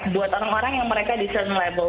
buat orang orang yang mereka di certain level